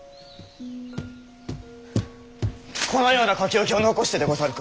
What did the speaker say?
このような書き置きを残してでござるか？